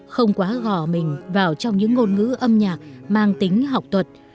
không quá gò mình vào trong những ngôn ngữ âm nhạc mang tính học tuật